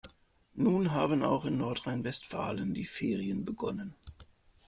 Nun haben auch in Nordrhein-Westfalen die Ferien begonnen.